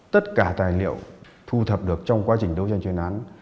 tất cả tài liệu thu thập được trong quá trình đấu tranh chuyên án